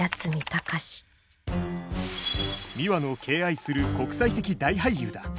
ミワの敬愛する国際的大俳優だ。